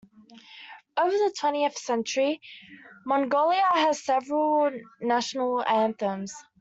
Over the twentieth century, Mongolia had several national anthems.